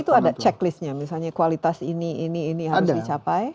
itu ada checklistnya misalnya kualitas ini ini harus dicapai